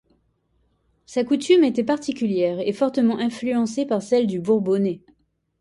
Sa coutume était particulière et fortement influencée par celle du Bourbonnais.